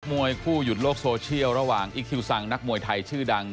มวยคู่หยุดโลกโซเชียลระหว่างอีคคิวซังนักมวยไทยชื่อดัง